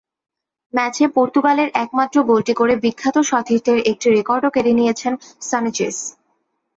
ম্যাচে পর্তুগালের একমাত্র গোলটি করে বিখ্যাত সতীর্থের একটি রেকর্ডও কেড়ে নিয়েছেন সানেচেস।